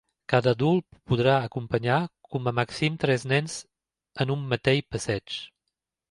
Cada adult podrà acompanyar com a màxim tres nens en un mateix passeig.